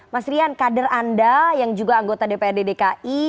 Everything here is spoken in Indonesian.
mas rian kader anda yang juga anggota dprd dki